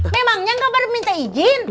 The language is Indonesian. memangnya nggak baru minta izin